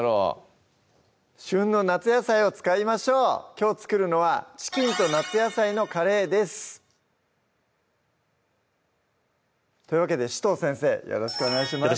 旬の夏野菜を使いましょうきょう作るのは「チキンと夏野菜のカレー」ですというわけで紫藤先生よろしくお願いします